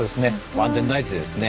安全第一でですね